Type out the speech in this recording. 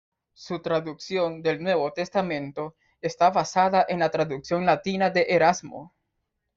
Su traducción del Nuevo Testamento está basada en la traducción latina de Erasmo.